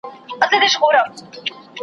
خدایه سترګي مي ړندې ژبه ګونګۍ کړې .